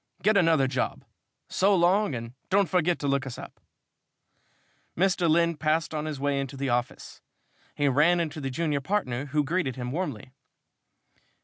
Get another job. So long, and don't forget to look us up." Mr. Lynn passed on his way into the office. He ran into the junior partner, who greeted him warmly.